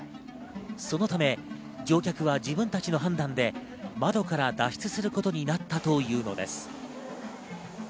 そのため乗客は自分たちの判断で窓から脱出することになったというのです。